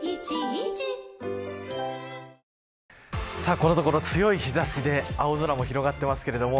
このところ強い日差しで青空も広がっていますけれども。